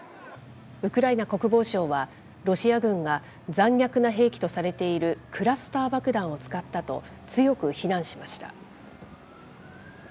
ウクライナ国防省はロシア軍が残虐な兵器とされているクラスター爆弾を使ったと、強く非難しました。